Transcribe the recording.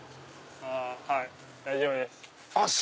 はい大丈夫です。